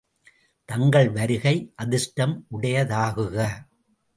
தங்கள் வருகை அதிர்ஷ்டம் உடையதாகுக!